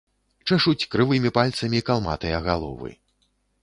Чэшуць крывымі пальцамі калматыя галовы.